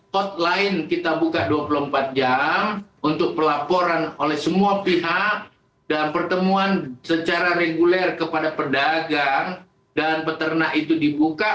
hotline kita buka dua puluh empat jam untuk pelaporan oleh semua pihak dan pertemuan secara reguler kepada pedagang dan peternak itu dibuka